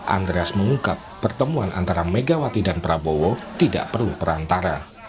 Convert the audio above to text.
andreas mengungkap pertemuan antara megawati dan prabowo tidak perlu perantara